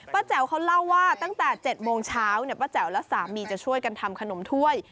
แจ๋วเขาเล่าว่าตั้งแต่๗โมงเช้าป้าแจ๋วและสามีจะช่วยกันทำขนมถ้วย